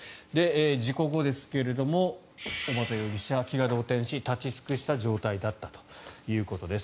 事故後ですが、小畠容疑者気が動転し立ち尽くした状態だったということです。